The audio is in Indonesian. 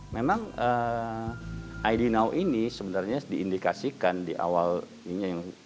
memang id now ini sebenarnya diindikasikan di awal ininya